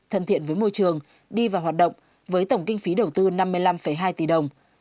thân thiện với môi trường đi vào hoạt động với tổng kinh phí đầu tư năm mươi năm hai tỷ đồng